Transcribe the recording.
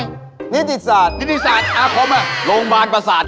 นิติศาสตร์